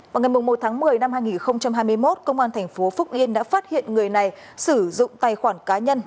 vào ngày một tháng một mươi năm hai nghìn hai mươi một công an thành phố phúc yên đã phát hiện người này sử dụng tài khoản cá nhân